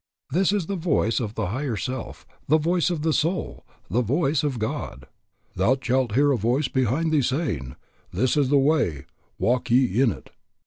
This is the voice of the higher self, the voice of the soul, the voice of God. "Thou shalt hear a voice behind thee, saying: This is the way, walk ye in it."